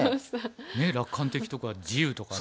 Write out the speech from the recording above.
ねえ「楽観的」とか「自由」とかね